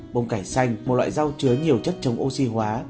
bông cải xanh một loại rau chứa nhiều chất chống oxy hóa